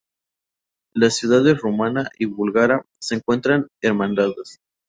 Las ciudades rumana y búlgara se encuentran hermanadas.